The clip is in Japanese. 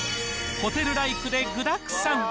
ホテルライクで具だくさん。